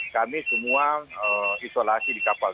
kami semua isolasi di kapal